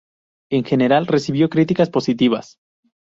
En general, recibió críticas positivas.